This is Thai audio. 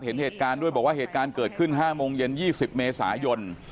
เห็นเหตุการณ์ด้วยบอกว่าเหตุการณ์เกิดขึ้น๕โมงเย็น๒๐เมษายน